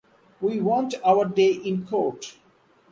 We want our day in court.